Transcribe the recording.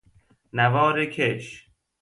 نوار کش